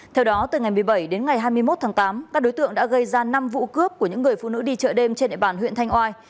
theo đó từ ngày một mươi bảy đến ngày hai mươi một tháng tám các đối tượng đã gây ra năm vụ cướp của những người phụ nữ đi chợ đêm trên địa bàn huyện thanh oai